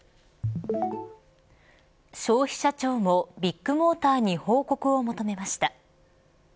消費者庁もビッグモーターに報告を求めました。